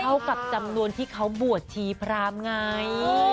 เท่ากับจำนวนที่เขาบวชชีพรามไง